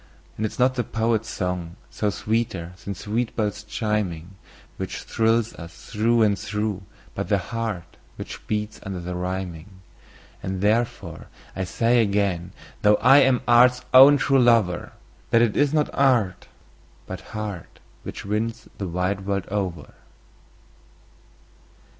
And it is not the poet's song, though sweeter than sweet bells chiming, Which thrills us through and through, but the heart which beats under the rhyming. And therefore I say again, though I am art's own true lover, That it is not art, but heart, which wins the wide world over.